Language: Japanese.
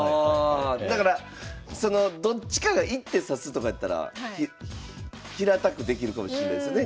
だからどっちかが１手指すとかやったら平たくできるかもしれないですね